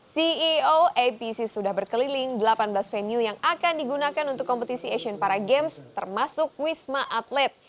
ceo apc sudah berkeliling delapan belas venue yang akan digunakan untuk kompetisi asian para games termasuk wisma atlet